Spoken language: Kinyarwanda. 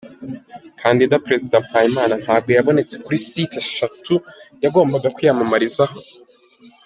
Kandida - Perezida Mpayimana ntabwo yabonetse kuri site eshatu yagombaga kwiyamamarizaho.